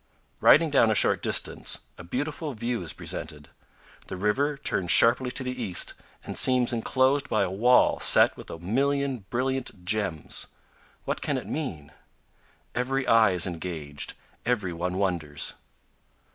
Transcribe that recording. Riding down a short distance, a beautiful view is presented. The river turns sharply to the east and seems inclosed by a wall set with a million brilliant gems. What can it mean? Every eye is engaged, every one wonders.